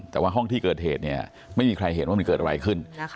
แต่ว่าห้องที่เกิดเหตุเนี่ยไม่มีใครเห็นว่ามันเกิดอะไรขึ้น